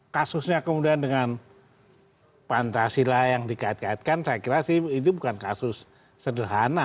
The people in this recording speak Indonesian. kasusnya kemudian dengan pancasila yang dikait kaitkan saya kira sih itu bukan kasus sederhana